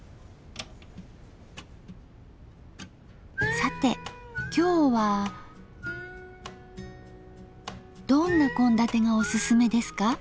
さて今日はどんな献立がおすすめですか？